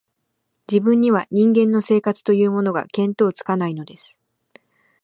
自分には、人間の生活というものが、見当つかないのです